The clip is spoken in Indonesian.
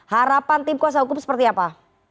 harapan tim kuasa hukum seperti apa